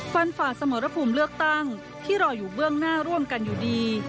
ฝ่าสมรภูมิเลือกตั้งที่รออยู่เบื้องหน้าร่วมกันอยู่ดี